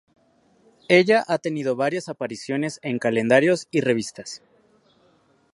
Ella ha tenido varias apariciones en calendarios y revistas.